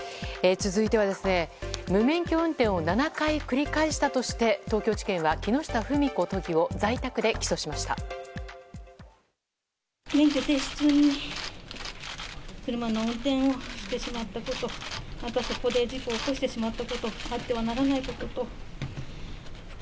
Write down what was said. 続いては、無免許運転を７回繰り返したとして東京地検は、木下富美子都議を在宅で起訴しました。